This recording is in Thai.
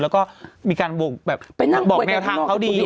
แล้วก็มีการบวกแบบไปนั่งบอกแนวทางเขาดี